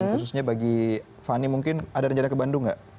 khususnya bagi fanny mungkin ada rencana ke bandung nggak